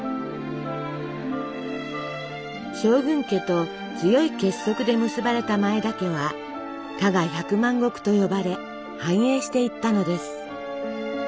将軍家と強い結束で結ばれた前田家は「加賀百万石」と呼ばれ繁栄していったのです。